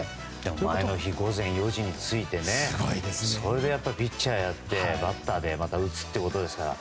前の日、午前４時についてそれでピッチャーやってバッターでまた打つということですから。